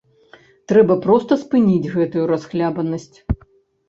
Трэба проста спыніць гэтую расхлябанасць!